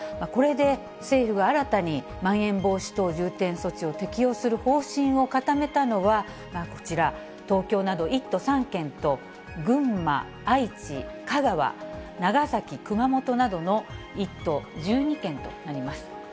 これで政府が新たにまん延防止等重点措置を適用する方針を固めたのは、こちら、東京など１都３県と、群馬、愛知、香川、長崎、熊本などの１都１２県となります。